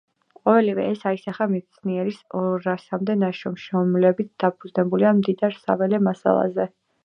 ყოველივე ეს აისახა მეცნიერის ორასამდე ნაშრომში, რომლებიც დაფუძნებულია მდიდარ საველე მასალაზე.